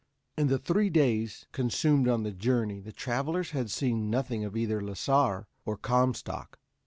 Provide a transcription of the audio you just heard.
In the three days consumed on the journey, the travelers had seen nothing of either Lasar or Comstock.